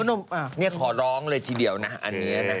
อือโอ๊ยนี่ขอร้องเลยทีเดียวนะอันนี้